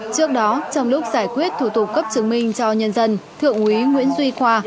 trước đó trong lúc giải quyết thủ tục cấp chứng minh cho nhân dân thượng úy nguyễn duy khoa